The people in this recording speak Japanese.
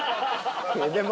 でも。